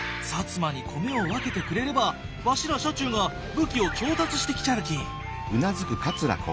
摩に米を分けてくれればわしら社中が武器を調達してきちゃるき。